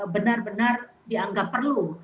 benar benar dianggap perlu